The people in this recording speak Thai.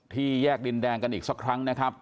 แยกดินแดงกันอีกสักครั้งนะครับ